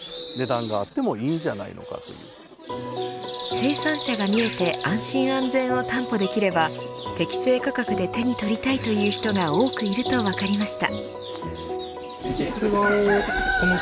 生産者が見えて安心安全を担保できれば適正価格で手に取りたいという人が多くいると分かりました。